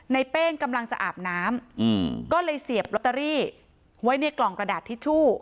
เป้งกำลังจะอาบน้ำก็เลยเสียบลอตเตอรี่ไว้ในกล่องกระดาษทิชชู่